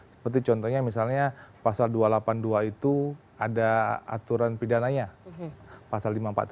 seperti contohnya misalnya pasal dua ratus delapan puluh dua itu ada aturan pidananya pasal lima ratus empat puluh tujuh